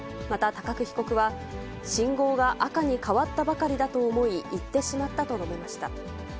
また高久被告は、信号が赤に変わったばかりだと思い、行ってしまったと述べました。